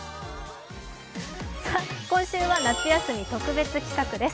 今週は夏休み特別企画です。